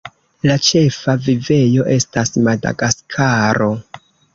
La ĉefa vivejo estas Madagaskaro.